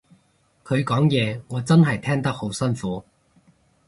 佢講嘢我真係聽得好辛苦